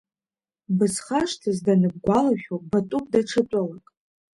Бызхашҭыз даныбгәалашәо батәуп даҽа тәылак.